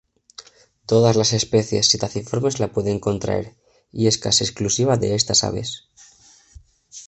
Todas las especies psitaciformes la pueden contraer y es casi exclusiva de estas aves.